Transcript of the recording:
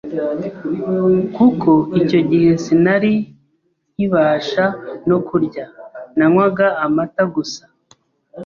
kuko icyo gihe sinari nkibasha no kurya, nanywaga amata gusa,